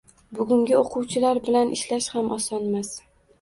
Bugungi o‘quvchilar bilan ishlash ham osonmas.